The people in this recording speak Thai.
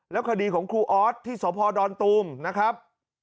คดีของครูออสที่สพดอนตูมนะครับ